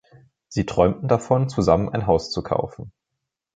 Sie träumten davon, zusammen ein Haus zu kaufen.